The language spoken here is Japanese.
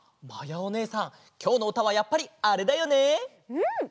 うん！